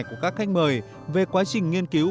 của các khách mời về quá trình nghiên cứu